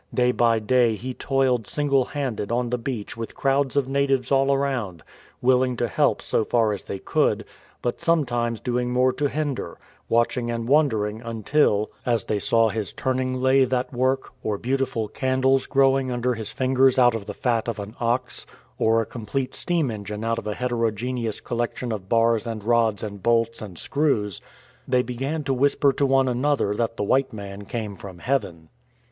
Day by day he toiled single handed on the beach with crowds of natives all around, willing to help so far as they could, but sometimes doing more to hinder, watching and wondering until, as they saw his turning lathe at 105 THE "DATSY" work, or beautiful candles growing under his fingers out of the fat of an ox, or a complete steam engine out of a heterogeneous collection of bars and rods and bolts and screws, they began to whisper to one another that the white man came from heaven.